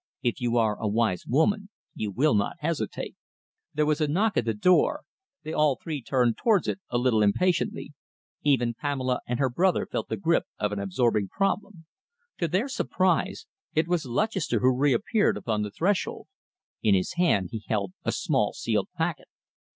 If you are a wise woman, you will not hesitate." There was a knock at the door. They all three turned towards it a little impatiently. Even Pamela and her brother felt the grip of an absorbing problem. To their surprise, it was Lutchester who reappeared upon the threshold. In his hand he held a small sealed packet.